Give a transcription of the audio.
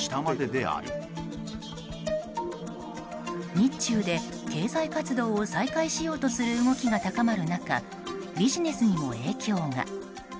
日中で、経済活動を再開しようとする動きが高まる中ビジネスにも影響が。